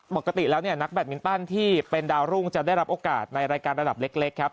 ปกติแล้วเนี่ยนักแบตมินตันที่เป็นดาวรุ่งจะได้รับโอกาสในรายการระดับเล็กครับ